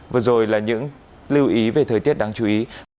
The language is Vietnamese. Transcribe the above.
vừa rồi là những lưu ý về thời tiết đáng chú ý